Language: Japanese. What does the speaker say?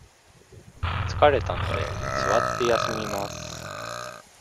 疲れたので、座って休みます。